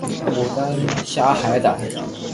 牡丹虾海胆